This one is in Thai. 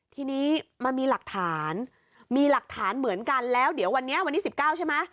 ทีนี้มันมีหลักฐานเหมือนกันแล้วเดี๋ยววันนี้๑๙ใช่ไหม